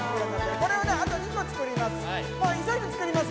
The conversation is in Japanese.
これをあと２個作ります。